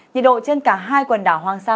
nhiệt độ trên cả hai quần đảo hoàng sa